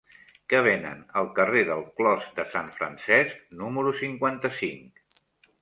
Què venen al carrer del Clos de Sant Francesc número cinquanta-cinc?